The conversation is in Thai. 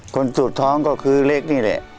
สุดท้องก็คือเล็กนี่แหละ